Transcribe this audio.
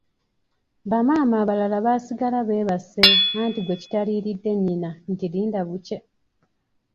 Ba maama abalala baasigala beebase anti gwe kitaliiridde nnyina nti linda bukye.